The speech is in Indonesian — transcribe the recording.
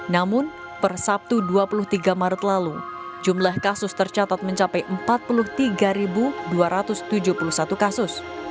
namun per sabtu dua puluh tiga maret lalu jumlah kasus tercatat mencapai empat puluh tiga dua ratus tujuh puluh satu kasus